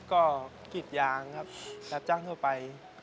ก็กิจยางครับแต่จ้างทั่วไป